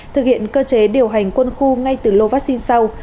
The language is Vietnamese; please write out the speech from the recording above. thực hiện cơ chế điều hành quân khu ngay từ lô vaccine sau